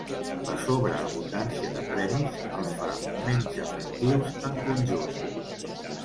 La sobreabundància de premis els fa menys efectius en conjunt.